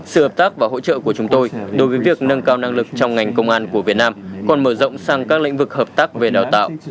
sự hợp tác và hỗ trợ của chúng tôi đối với việc nâng cao năng lực trong ngành công an của việt nam còn mở rộng sang các lĩnh vực hợp tác về đào tạo